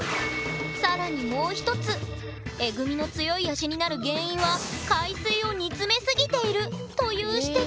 さらにもう１つ「えぐみの強い味」になる原因は海水を煮詰め過ぎているという指摘。